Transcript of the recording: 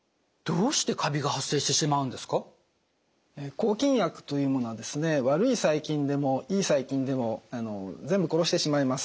抗菌薬というものは悪い細菌でもいい細菌でも全部殺してしまいます。